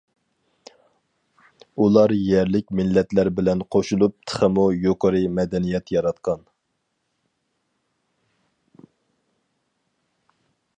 ئۇلار يەرلىك مىللەتلەر بىلەن قوشۇلۇپ، تېخىمۇ يۇقىرى مەدەنىيەت ياراتقان.